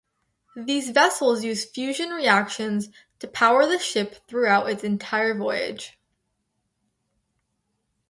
These vessels use fusion reactions to power the ship throughout its entire voyage.